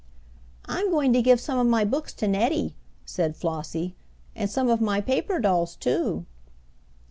"I'm going to give some of my books to Nettie," said Flossie, "and some of my paper dolls too."